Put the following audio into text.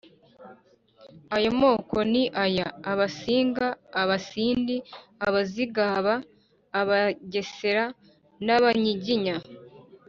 Ayo moko ni aya: Abasinga, Abasindi, Abazigaba, Abagesera n’Abanyiginya,